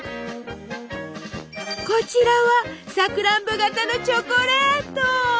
こちらはさくらんぼ形のチョコレート！